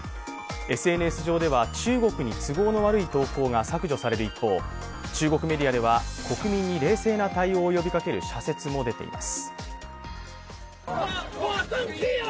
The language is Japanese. ＳＮＳ上では、中国に都合の悪い投稿が削除される一方中国メディアでは、国民に冷静な対応を呼びかける社説も出ています。